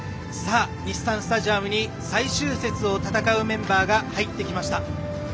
日産スタジアムに最終節を戦うメンバーが入ってきました。